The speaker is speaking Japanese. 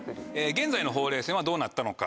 現在のホウレイ線はどうなったのか？